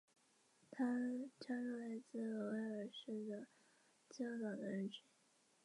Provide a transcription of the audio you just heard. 要完善办案质量、效率、效果相统一的检察官业绩考评体系